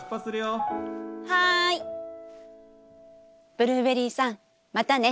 ブルーベリーさんまたね！